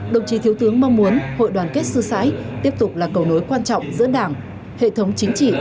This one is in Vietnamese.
đồng chí thiếu tướng mong muốn hội đoàn kết sư sãi tiếp tục là cầu nối quan trọng giữa đảng hệ thống chính trị